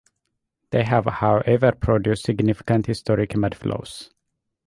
They have however produced significant historic mudflows.